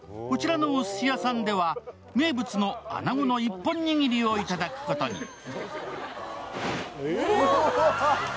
こちらのおすし屋さんでは名物のあなごの一本にぎりを頂くことに。